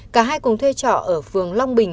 cả hai cùng thuê trọ ở phường long bình